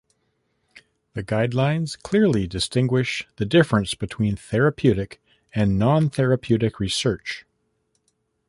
The guidelines clearly distinguished the difference between therapeutic and non-therapeutic research.